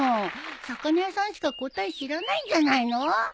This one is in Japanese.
魚屋さんしか答え知らないんじゃないの？